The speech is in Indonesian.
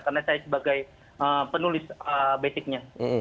karena saya sebagai penulis basicnya